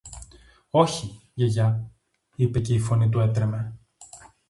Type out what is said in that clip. Όχι, Γιαγιά, είπε και η φωνή του έτρεμε